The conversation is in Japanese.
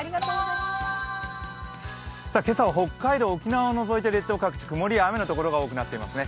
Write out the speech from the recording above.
今朝は北海道、沖縄を除いて列島各地曇りや雨の所が多くなっていますね。